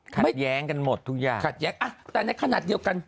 ขัดแย้งกันหมดทุกอย่างขัดแย้งอ่ะแต่ในขณะเดียวกัน